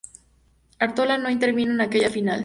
Artola no intervino en aquella final.